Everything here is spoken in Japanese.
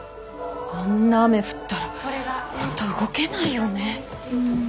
あんな雨降ったら本当動けないよね。